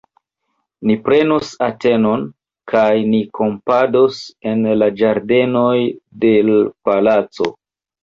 Ni prenos Atenon, kaj ni kampados en la ĝardenoj de l' Palaco!